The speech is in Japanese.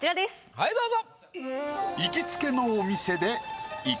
はいどうぞ。